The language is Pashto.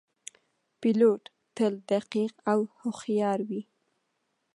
پیلوټ تل دقیق او هوښیار وي.